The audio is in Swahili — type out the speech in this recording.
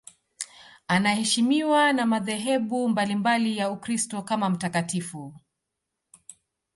Anaheshimiwa na madhehebu mbalimbali ya Ukristo kama mtakatifu.